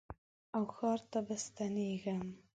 او ښار ته به ستنېږم